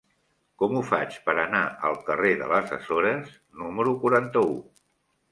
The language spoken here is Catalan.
Com ho faig per anar al carrer de les Açores número quaranta-u?